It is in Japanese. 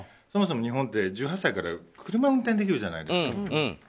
そもそも日本って１８歳から車を運転できるじゃないですか。